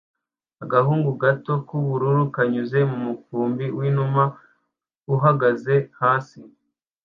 Agahungu gato k'ubururu kanyuze mu mukumbi w'inuma uhagaze hasi